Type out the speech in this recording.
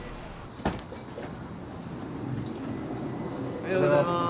おはようございます。